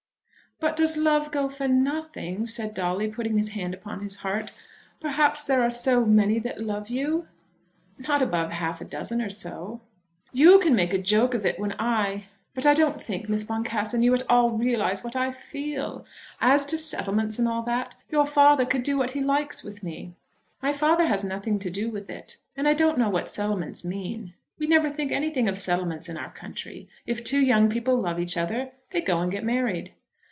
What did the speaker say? "But does love go for nothing?" said Dolly, putting his hand upon his heart. "Perhaps there are so many that love you." "Not above half a dozen or so." "You can make a joke of it, when I . But I don't think, Miss Boncassen, you at all realise what I feel. As to settlements and all that, your father could do what he likes with me." "My father has nothing to do with it, and I don't know what settlements mean. We never think anything of settlements in our country. If two young people love each other they go and get married."